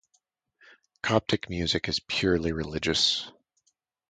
Coptic music is purely religious.